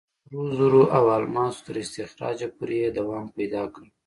د سرو زرو او الماسو تر استخراجه پورې یې دوام پیدا کړ.